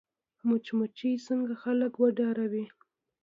مچمچۍ ځینې خلک وډاروي